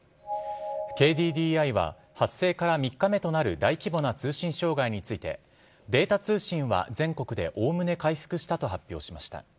ＫＤＤＩは、発生から３日目となる大規模な通信障害について、データ通信は全国でおおむね回復したと発表しました。